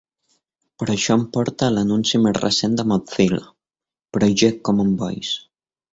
Però això em porta a l'anunci més recent de Mozilla: Project Common Voice.